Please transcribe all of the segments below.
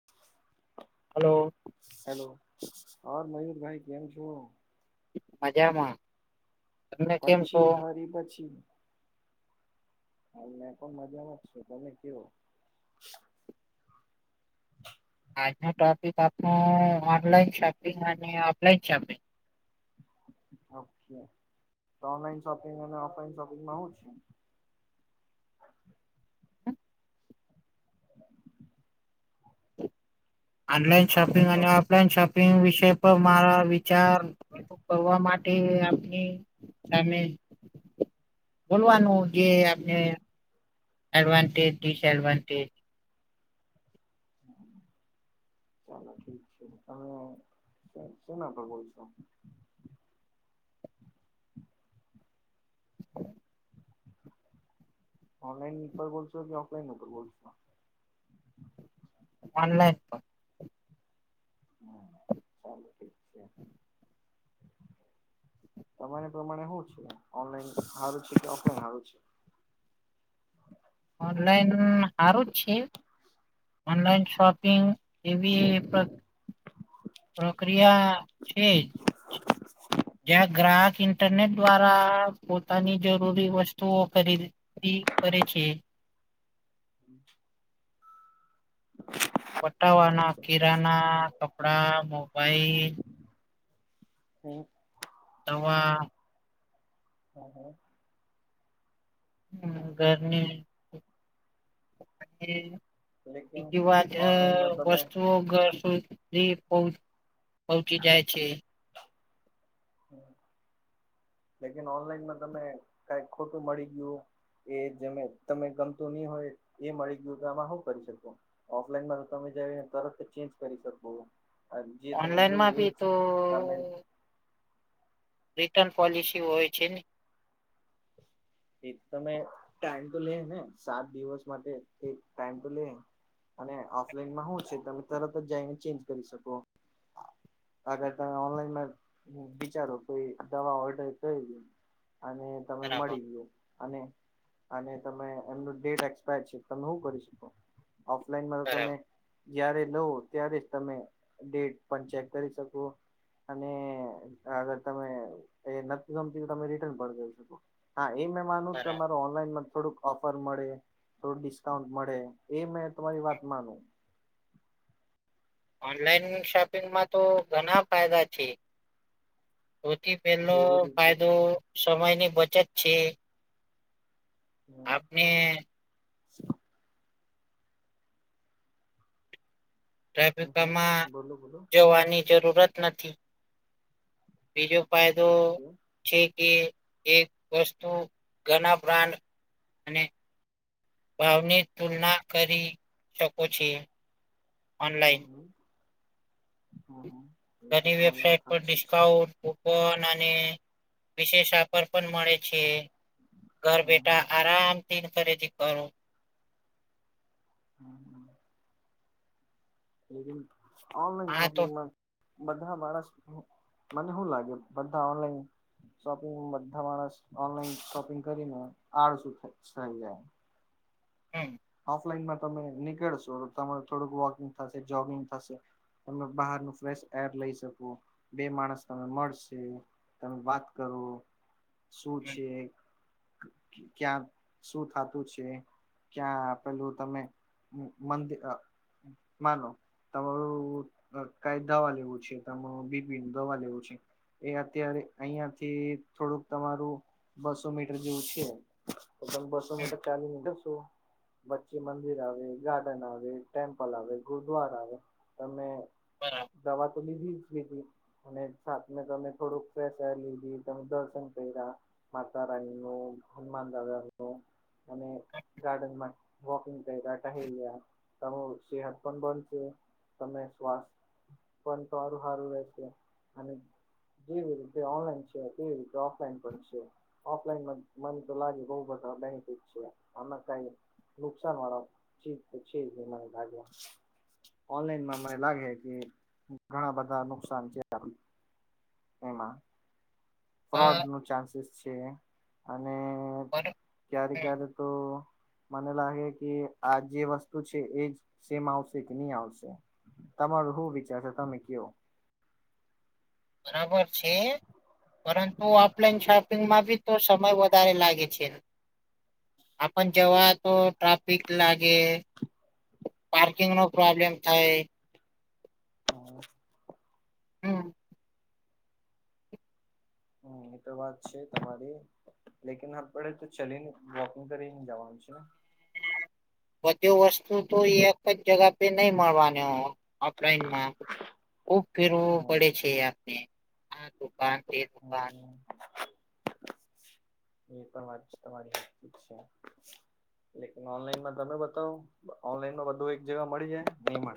[inaudible] હાલો. Hello ઓર મયુરભાઈ કેમ છો? મજામાં. તમને કેમ છો પછી ફરી પછી હાલ મે પણ મજામાં જ છે તમે કેવો? આજનો ટોપિક આપણ ઓનલાઈન શોપિંગ અને ઓફલાઈન શોપિંગ ઓકે તો ઓનલાઈન શોપિંગ અને ઓફલાઈન શોપિંગમાં હુ છે? ઓનલાઈન શોપિંગ અને ઓફલાઈન શોપિંગ વિશે તો મારા વિચાર [unintelligible] કરવા માટે આપને સામે બોલવાનું જે આપને એડવાન્ટેજ ડિસએડવાન્ટેજ ચાલો ઠીક છે. તમે શે શેના પર બોલશો? ઓનલાઈન ઉપર બોલશો કે ઓફલાઈન ઉપર બોલશો? ઓનલાઈ ઉપર. ચાલો ઠીક છે [inaudible] તમારે પ્રમાણે હું છે? ઓનલાઈન હારું છે કે ઓફલાઈન હારું છે? ઓનલાઈન હારું જ છે. ઓનલાઈન શોપિંગ એવી પ્ર પ્રક્રિયા છે જ. [inaudible] જ્યાં ગ્રાહક ઇન્ટરનેટ દ્વારા પોતાની જરૂરી વસ્તુઓ ખરીદી કરે છે. હમ્મ. [unintelligible] ઓકે. કિરાના, કપડા, મોબાઈલ હમ્મ. દવા હમ્મ-હમ્મ. હમ્મ. ઘરની [unintelligible] લેકિન ઓનલાઈનમાં [unintelligible] તમે વસ્તુઓ [unintelligible] ધી પહોંચ પહોંચી જાય છે. [inaudible] લેકિન ઓનલાઈનમાં તમે કાંઈક ખોટું મળી ગયું એ જેમે તમે ગમતું નહીં હોય એ મળી ગયું તો હેમાં હું કરી શકો? ઓફલાઈનમાં તો તમે જઈને તરત ચેન્જ કરી શકો. આ જે તમે ઓનલાઈન જોય માં એજ બી તો તમે રિટર્ન પોલિસી હોય છે ને. એ તમે ટાઈમ તો લે હે ને સાત દિવસ માટે. એક ટાઈમ તો લે હે. અને ઓફલાઈનમાં હું છે તમે તરત જ જઈને ચેન્જ કરી શકો. અગર તમે ઓનલાઈનમાં બિચારો કે દવા ઓર્ડર કરી થઈ ગઈ. અને તમે બરાબર મળી ગયો. અને-અને તમે એમનું ડેટ એક્સપાયર છે. તમે હુ કરી શકો? ઓફલાઈનમાં તો તમે બરાબર જયારે લેવો ત્યારે જ તમે ડેટ પણ ચેક કરી શકો. અને અગર તમે એ નથી ગમતી તો તમે રિટર્ન પર કરી શકો. ઈ મેં માનુંક બરાબર તમારો ઓન ઓનલાઈનમાં થોડુંક ઓફર મળે, થોડુંક ડિસ્કાઉન્ટ મળે. એ મેં તમારી વાત માનું. ઓનલાઈન શોપિંગમાં તો ઘના ફાયદા છે. સૌથી પહેલો જેવી રીતે ફાયદો સમયની બચત છે. હમ આપને હમ ટ્રાફિકમાં બોલો બોલો જવાની જરૂરત નથી. બીજો ફાયદો ઓકે છે કે એક વસ્તુ ઘના બ્રાન્ડ અને ભાવની તુલના કરી શકો છે. ઓનલાઈન હમ્મ-હમ્મ-હમ્મ-હમ્મ. ઘણી વેબસાઇટ પર ડિસ્કાઉન્ટ, કુપન અને વિશેષ ઓફર પણ મળે છ. છે, ઘર હમ બેટા આરામથી ખરીદી કરો. હમ, હમ. ઓનલેઈન આ તો શાપિંગમાં. બધા માણ મને શું લાગે, બધા ઓનલાઈન શોપિંગ બધા માણસ ઓનલાઈન શોપિંગ કરીને, આડ શું થઈ જાય. હમ. ઓફલાઈનમાં તમે નીકળશો, તમારું થોડુંક વોકિંગ થશે જોગિંગ થશે. તમે બહાર ન ફ્રેશ એર લઈ શકો, બે માણસ તમે મળશે. તમે વાત કરો. શું હમ છે? ક્યાં શું થતું છે? ક્યાં પેલું તમે મંદિ માનો. તમારું કઈ દવા લેવું છે, તમારું બીપી નું દવા લેવું છે. એ અત્યારે અહિયાંથી થોડુંક તમારું બસો મીટર જેવું છે. તો બસો હમ ચાલીશ. બચ્ચી મંદિર આવે, ગાર્ડન આવે, ટેમ્પલ આવે, ગુરુદ્વાર આવે તમે બરાબર. દવા તો લીધી. અને સામે તમે થોડુંક ફસા લીધી, તમે દર્શન કર્યા. માતારાણીનું, હનુમાન દાદા નું, અને ગાર્ડન વોકિંગ ક રાટ સેહત પણ બનશે. તમે શ્વાસ પણ સારું સારું રહેશે, અને જેવી રીતે ઓનલાઈન છે, હતીવી રીતે ઓફલાઈન પણ છે. ઓફલાઈન મને તો લાગે, બઉ બધા બેનિફિટ છે, આમાં કઈ નુકસાન વાળા છે, તો છે ભાગ્યા. ઓનલાઈનમાં મને લાગે કે ઘણા બધા નુકસાન છે. એમાં ફ્રોડ બ- નું ચાન્સીસ છે, અને પણ ક્યારે ક્યારે તો. મને લાગે કે, આ જે વસ્તુ છે એજ સેમ આવશે કે નહી આવશે. તમારો શું વિચાર છે? તમે કયો. બરાબર છે. પરંતુ ઓફલાઈન શોપિંગમાં બી તો સમય વધારે લાગે છે. આપણ જેવા. તો ટ્રાફિક લાગે, પાર્કિંગ નો પ્રોબ્લેમ થાય. હા. હમ. હમ, એતો વાત છે તમારી. લેકન આપડે, તો ચલીને વોકિંગ કરીને જવાનું છે ને. બધી વસ્તુ તો એક જગા પે નઈ મળવાની. ઓફલાઈનમાં ખુબ ફેરવો હમ પડે છે, આપને હ. ક [unintelligible] હમ એ પણ વાત છે, તમારી છે. [unintelligible] ઓનલાઈનમાં તમે બતાવો, ઓનલાઈનમાં બધું એક જગા મળી જાય નહી.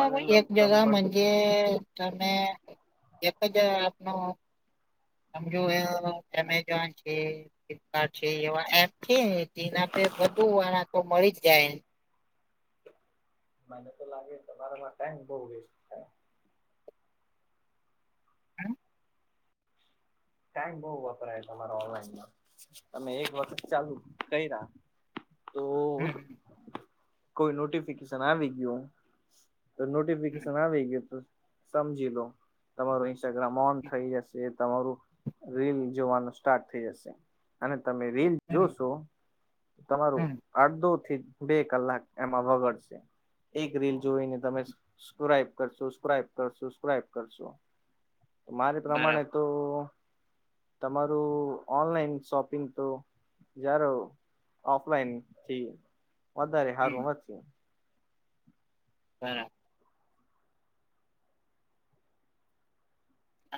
ઓનલાઈનમાં એક તમે પણ જગાજે, તમે એક જ આપનો. આ જો એ એમેઝોન છે. ફ્લિપકાર્ટ છે એવા એપ છે ને તેના પે બધું વાળા તો મળી જ જાય. મને તો લાગે તમારામાં ટાઈમ બઉ વેસ્ટ. હમ. ટાઈમ બઉ વપરાય તમારા ઓનલાઈનમાં, તમે એક વખત ચાલુ કયારા. તો હમ કોઈ નોટિફિકેશન આવી ગયું. તો હમ નોટિફિકેશન આવેગ તો. સમજી લો તમારું ઇન્સ્ટાગ્રામ ઓન થઈ જશે તમારું રીલ જોવાનું સ્ટાર્ટ થઈ જશે. અને તમે રીલ હમ જોશો, તમારું હમ અડધો થી બે કલાક એમાં વગડશે. એક રીલ જોઈને તમેક્રાઈબ કરશો સ્ક્રાઈબ કરશોક્રબ કરશો. મારે પ્રમાણે બરાબર તો તમારું ઓનલાઈન શોપિંગ તો જારો ઓફલાઈન થી વધારે હમ હારવું. હમ.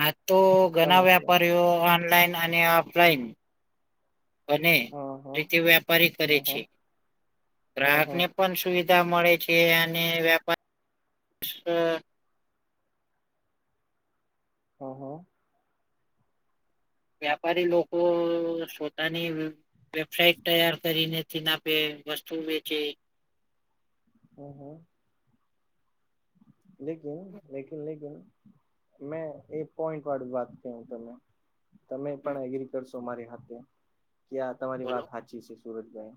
આજ તો તમે ઘણા કયો વ્યાપારીઓ ઓનલાઈન અને ઓફલાઈન. અને હા હા રીતિ વ્યાપારી કરે હા છે, હા હા ગ્રાહકને હા પણ સુવિધા મળે છે અને વ્યાપાર હ હા. હા વ્યાપારી લોકો પોતાની વેબસાાઈટ તૈયાર કરીને ના બે વસ્તુ વેચે. ઓહ. લકન લકન લકન. મેં એક પોઈન્ટ વાળ વાત ક હ તમે. તમે પણ એગ્રી કરશો મારી હાથે, કે આ તમારી બોલો વાત હા સુરજભાઈ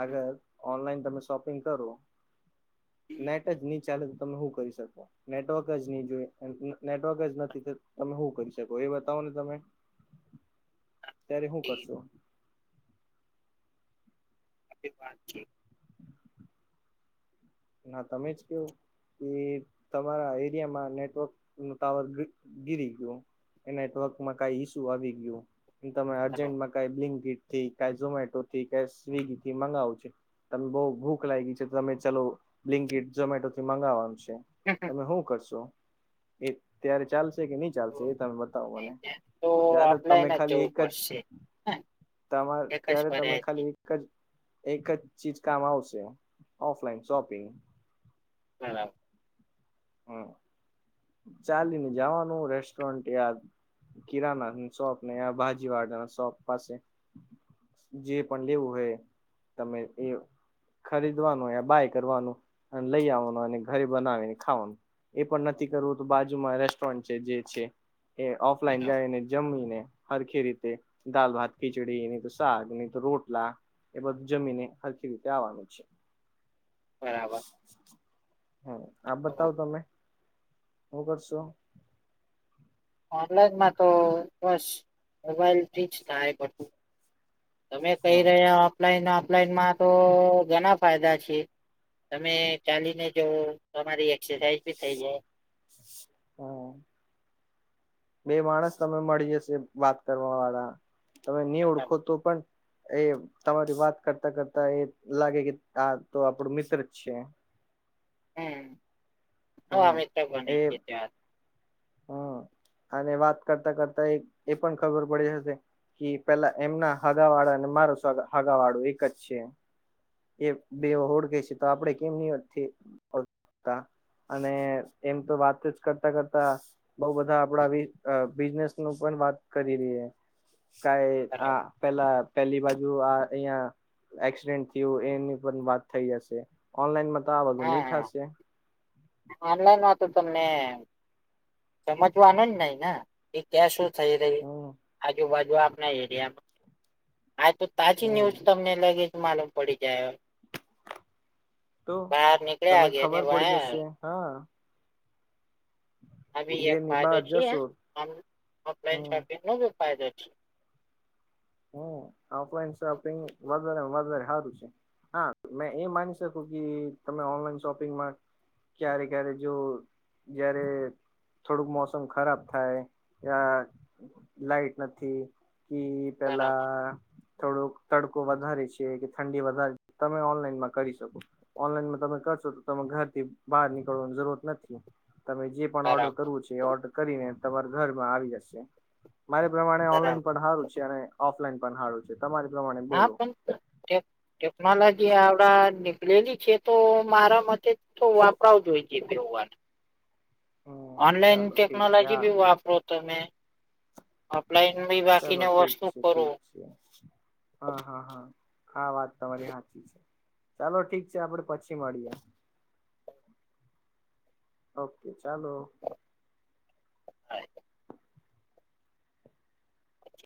આગર ઓનલાઈન તમે શોપિંગ કરો. નેટ જ નહી ચાલે તો તમે શું કરી શકો. નેટવર્ક જ નહી જોય નેટવર્ક જ નથી તો તમે શું કરી શકો એ બતાવો ને તમે. ત્યારે હું કરશો? વાત છે. ના તમે જ કેવ. એ તમારા એરિયામાં નેટવર્ક ન ટાવર ગીરી ગયું. નેટવર્કમાં ક ઈસુ આવી ગયું, અર્જેન્ટના જ ક થી કઈ ઝોમેટો થી ક સ્વિગી થી મંગાવો છ તને બહ ભૂખ લાગી છે તમે ચલો. બ્લિંકીડ ઝોમેટોથી મંગાવવાનું છે, તમે શું કરશો? એ ત્યારે ચાલશે કે નહી ચાલશે એ તમે મને છે તો ત્યારે તમે ઓફલાઈન ખાલી જવું એક જ પડશે તમા એક જ ત્યારે તમે પર્યાય છે ખાલી એક જ એક જ ચીજ કામ આવશે, ઓફલાઈન શોપિંગ. હા. [inaudible] ચાલી ને જવાનું રેસ્ટોરન્ટ યયાદ કિરાના શોપ ને બાજીવાડા ના શોપ પાસે. જે પણ લેવું હોય તમે, એ ખરીદવાનું બાય કરવાનું, અને લઈ આવવાનું અને ઘરે બનાવીને. ખાવાનું એ પણ નથી કરવું તો બાજુમાં રેસ્ટોરન્ટ છે જે છે. એ ઓફલાઈન જાય ને જમી ને હરખી રીતે દાાલ ભાત ખિચડી નહી તો શાક નહી તો રોટલા એ બધું જમીને હરકી રીતે આવવાનું છે. [inaudible] હમ આપ બતાવ તમે હું કરશો ઓનલાઈનમાં તો બસ મોબાઈલ ફીચ થાય બધું તમે કઈ હા રહ્યા ઓફલાઈન ઓફલાઈનમાં તો ઘણા ફાયદા છે. તમે ચાલીને જઓ તમારી એક્સરસાઇઝ ભી થઈ જાય હા બે માણસ તમે મળી જશે વાત કરવા વાળા તમે નહી ઓળખો બરાબર તો પણ એ તમારી વાત કરતા કરતા એ લાગે કે આ તો આપડું મિત્ર જ છે હમ ન આ હમ મિત્ર બને એ છ ત્યાં હમ અને વાત કરતા કરતા એ પણ ખબર પડી હશે કે પેલા એમના હગા વાળા અને મારું હગા વાળું એક જ છે. એ બે ઓળખે છે તો આપડે કેમ નહિં [unintelligible] અને એમ તો વાત જ કરતા કરતા બઉ બધા આપડા બિઝનેસ નું પણ વાત કરી રહી કઈ આ બરાબર પેલા પેલી બાજુ આ અહિયાં એક્સિડેન્ટ થયું એની પણ વાત થઈ જશે ઓનલાઈન માં તો આ બધું ની થાશે ઓનલાઈન માં તો તમને સમજવાનું જ નહી ને ક્યા થઈ રહી હમ આજુબાજુ આપના એરિયામાં હા તો તાજી હમ ન્યૂઝ તમને લગે જ માલુમ પડી જાય તો બહાર તમે નીકળ્યા ગયા ને ખબર પડી બાર જશે હા આ ભી એક ઘેરની ફાયદો બહાર છીએ જશો હમ ઓનલાઇન હમ શોપિંગ ન ભી ફાયદો છે. હ ઓફલાઈન શોપિંગ વધારે વધારે સારું છે. હા મેં એ માની શકું કે તમે ઓનલાઈન શોપિંગમાં ક્યારે ક્યારે જો જ્યારે થોડુંક મોસમ ખરાબ થાય લાઈટ નથી પહેલા બરાબર થોડોક તડકો વધારે છે કે ઠંડી વધારે છે તમે ઓનલાઈનમાં કરી શકો ઓનલાઈનમાં તમે કરશો તો ઘર થી બહાર નીકળવાની જરૂરત નથી તમે જે પણ ઓર્ડર બરાબર કરવું છે ઓર્ડર કરીને તમારા ઘરમાં આવી જશે મારે પ્રમાણે બરાબર ઓનલાઈન પણ હારું છે અને ઓફલાઈન પણ હારું છે તમારી પ્રમાણે બોલો ટેક્નોલોજી આવડા લેલી છે તો મારા મથે તો વાપરાવ જો હોઈ છે બેવ વાર હમ ઓનલાઇન ચાલો ઠીક છે ટેકનોલોજી હા ભી વાપરો હતો તમે ઓફલાઈન ભી બાકીને વસ્તુ કરું અરછા હા હા હા આ વાત તમારી સાચી છે. ચાલો ઠીક છે આપડે પછી મળીએ ઓકે ચાલો હા